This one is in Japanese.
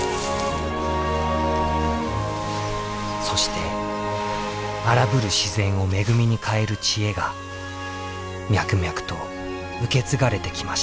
そして荒ぶる自然を恵みに変える知恵が脈々と受け継がれてきました。